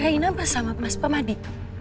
reina sama mas pak madi